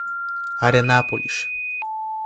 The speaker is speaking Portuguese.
Arenápolis